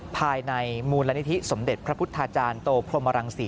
ภายในมูลนิธิสมเด็จพระพุทธาจารย์โตพรหมรังศรี